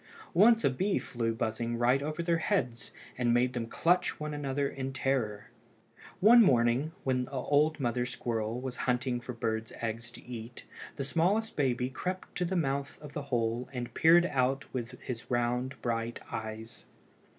Once a bee flew buzzing right over their heads, and made them clutch one another in terror. One morning, when the old mother squirrel was away hunting for birds' eggs to eat, the smallest baby crept to the mouth of the hole and peeped out with his round bright eyes.